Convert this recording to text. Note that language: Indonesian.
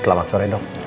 selamat sore dok